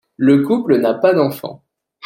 Le couple n'a pas d'enfants.